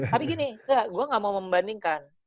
tapi gini gue gak mau membandingkan